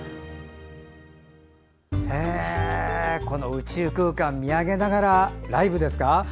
宇宙空間を見上げながらライブですか。